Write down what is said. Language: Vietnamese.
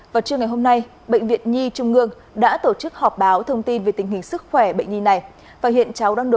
vào trưa ngày hôm nay bệnh viện nhi trung ngương đã tổ chức họp báo thông tin về tình huống